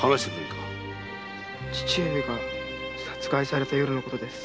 父上が殺害された夜のことです。